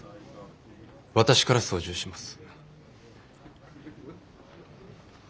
私から操縦します。